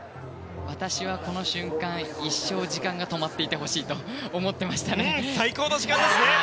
私はこの瞬間一生時間が止まっていてほしいと最高の時間ですね。